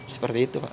seperti itu pak